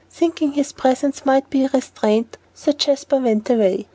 Thinking his presence might be a restraint, Sir Jasper went away.